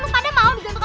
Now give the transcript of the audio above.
kakak takut dong sak